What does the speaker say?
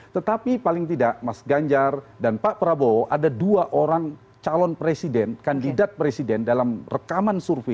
tetapi paling tidak mas ganjar dan pak prabowo ada dua orang calon presiden kandidat presiden dalam rekaman survei